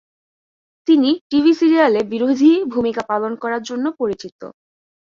তিনি টিভি সিরিয়ালে বিরোধী ভূমিকা পালন করার জন্য পরিচিত।